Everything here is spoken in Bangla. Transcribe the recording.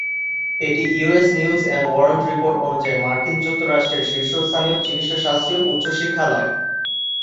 এটি "US news and world report" অনুযায়ী মার্কিন যুক্তরাষ্ট্রের শীর্ষস্থানীয় চিকিৎসাশাস্ত্রীয় উচ্চশিক্ষালয়।